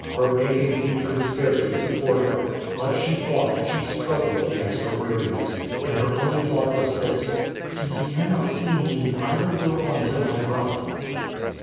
Her aching feet could scarcely support her; but she fought, she struggled, against her weariness, and her only thought was this: "Since he cannot see me, I will go on till I drop."